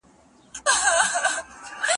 هوا کې څرخي ستا د یاد د اسماني رڼا او رنګ بڅرکي